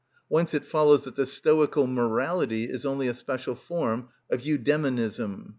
Whence it follows that the Stoical morality is only a special form of Eudæmonism.